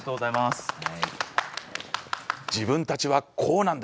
自分たちはこうなんだ。